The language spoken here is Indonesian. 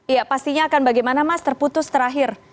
iya pastinya akan bagaimana mas terputus terakhir